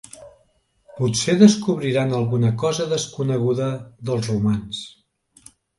Potser descobriran alguna cosa desconeguda dels romans.